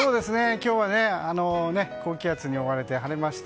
今日は高気圧に覆われて晴れまして。